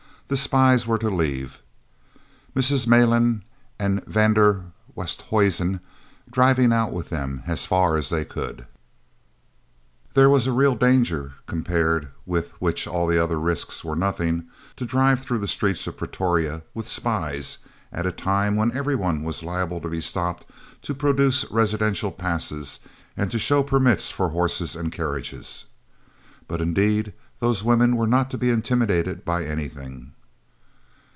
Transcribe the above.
the spies were to leave, Mrs. Malan and van der Westhuizen driving out with them as far as they could. That was a real danger, compared with which all other risks were as nothing, to drive through the streets of Pretoria with spies, at a time when everyone was liable to be stopped to produce residential passes and to show permits for horses and carriages. But, indeed, those women were not to be intimidated by anything!